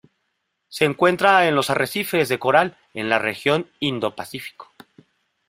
Se encuentra en los arrecifes de coral en la región Indo-Pacífico.